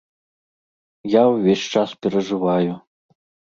Я ўвесь час перажываю.